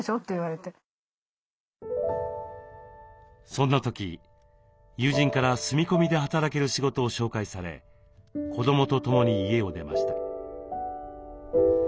そんな時友人から住み込みで働ける仕事を紹介され子どもと共に家を出ました。